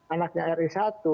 anaknya ri satu